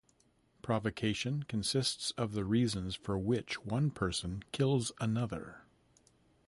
Provocation consists of the reasons for which one person kills another.